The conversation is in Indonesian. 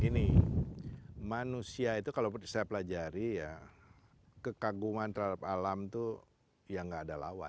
gini manusia itu kalau saya pelajari ya kekaguman terhadap alam itu ya nggak ada lawan